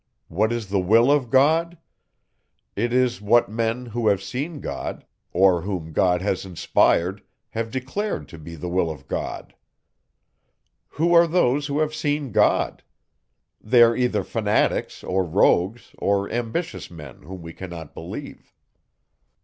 What is the will of God? It is what men, who have seen God, or whom God has inspired, have declared to be the will of God. Who are those, who have seen God? They are either fanatics, or rogues, or ambitious men, whom we cannot believe.